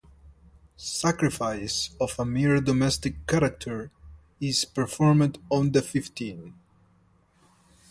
Sacrifices of a more domestic character are performed on the fifteenth.